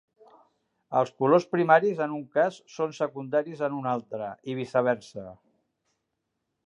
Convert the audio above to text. Els colors primaris en un cas són secundaris en un altre, i viceversa.